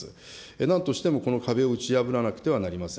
なんとしてもこの壁を打ち破らなくてはなりません。